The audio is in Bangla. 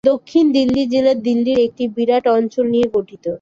দক্ষিণ দিল্লি জেলা দিল্লির একটি বিরাট অঞ্চল নিয়ে গঠিত।